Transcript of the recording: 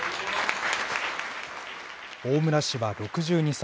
大村氏は６２歳。